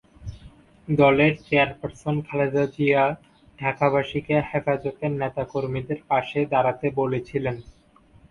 দলের চেয়ারপারসন খালেদা জিয়া ঢাকাবাসীকে হেফাজতের নেতা কর্মীদের পাশে দাঁড়াতে বলেছিলেন।